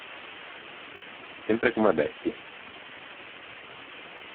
Sempre come bestie.